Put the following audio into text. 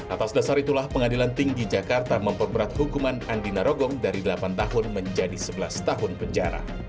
atas dasar itulah pengadilan tinggi jakarta memperberat hukuman andi narogong dari delapan tahun menjadi sebelas tahun penjara